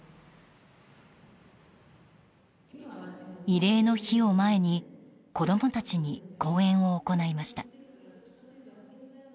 慰霊の日を前に子供たちに講演を行いました。